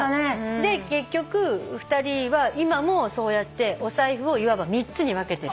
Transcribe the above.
で結局２人は今もそうやってお財布をいわば３つに分けてる。